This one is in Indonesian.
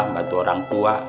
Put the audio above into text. bantu orang tua